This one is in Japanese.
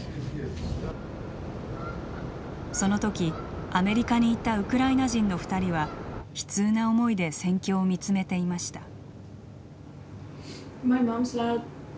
そのときアメリカにいたウクライナ人の２人は悲痛な思いで戦況を見つめていました。